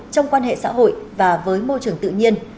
trong quan hệ xã hội và với môi trường tự nhiên